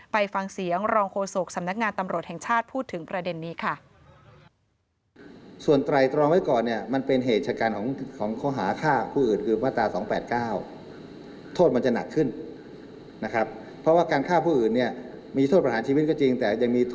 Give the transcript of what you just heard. ไปฟังเสียงรองโฆษกสำนักงานตำรวจแห่งชาติพูดถึงประเด็นนี้ค่ะ